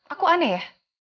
aku aneh ya